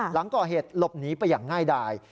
หลังก่อเหตุหลบหนีไปอย่างง่ายดาย